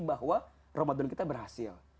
bahwa ramadan kita berhasil